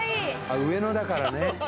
・上野だからね・